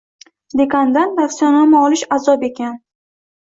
Dekandan tavsiyanoma olish azob ekan.